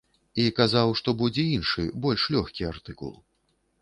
І казаў, што будзе іншы, больш лёгкі артыкул.